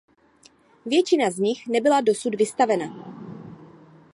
Většina z nich nebyla dosud vystavena.